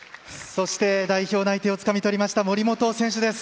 そして、代表内定をつかみ取りました森本選手です。